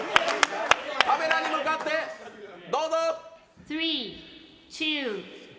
カメラに向かって、どうぞ。